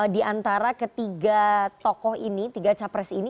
di antara ketiga tokoh ini tiga capres ini